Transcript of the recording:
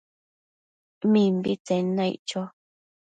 Mimbitsen naic cho